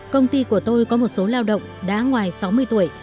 công ty của tôi có một số lao động đã ngoài sáu mươi tuổi